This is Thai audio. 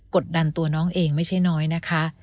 ดดันตัวน้องเองไม่ใช่น้อยนะคะ